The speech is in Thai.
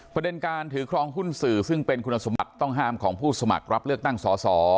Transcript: ประเด็นการถือครองหุ้นสื่อซึ่งเป็นคุณสมบัติต้องห้ามของผู้สมัครรับเลือกตั้งสอสอ